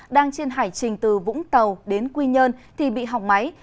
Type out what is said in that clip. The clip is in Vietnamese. đang trên hải trình từ vũng tàu đến quy nhơn thì bị hỏng máy